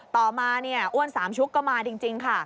ต่อมาเนี่ยอ้วนสามชุกก็มาจริงค่ะ